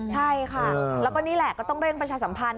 ใช่ค่ะแล้วก็นี่แหละก็ต้องเร่งประชาสัมพันธ